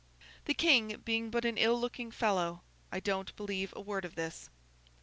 The King being but an ill looking fellow, I don't believe a word of this.